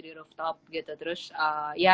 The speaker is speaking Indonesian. di rooftop gitu terus ya